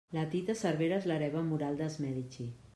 La Tita Cervera és l'hereva moral dels Medici.